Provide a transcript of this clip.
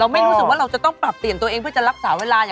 ไม่รู้สึกว่าเราจะต้องปรับเปลี่ยนตัวเองเพื่อจะรักษาเวลา